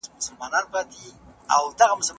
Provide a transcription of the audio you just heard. که نشایسته وي نو رنګ نه بدلیږي.